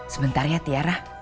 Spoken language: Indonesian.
sebentar ya tiara